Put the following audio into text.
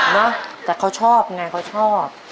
นะแต่เขาชอบไงเขาชอบ